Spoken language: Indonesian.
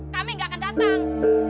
kami gak akan datang